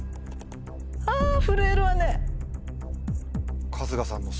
あ震えるわね。